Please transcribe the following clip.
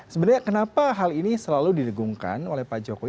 sebenarnya kenapa hal ini selalu didegungkan oleh pak jokowi